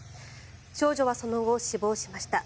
少女はその後、死亡しました。